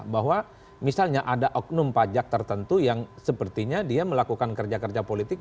bahwa misalnya ada oknum pajak tertentu yang sepertinya dia melakukan kerja kerja politik